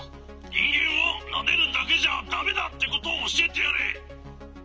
「にんげんはなでるだけじゃダメだってことをおしえてやれ！」。